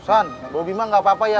san bobby mah gak apa apa ya